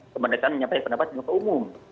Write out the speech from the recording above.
kemerdekaan menyampaikan pendapat dengan keumum